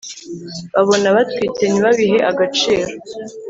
babona batwite ntibabihe agaciro